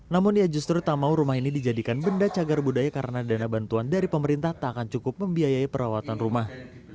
namun ia justru tak mau rumah ini dijadikan benda cagar budaya karena dana bantuan dari pemerintah tak akan cukup membiayai perawatan rumah